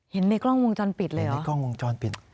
ในกล้องวงจรปิดเลยเหรอในกล้องวงจรปิด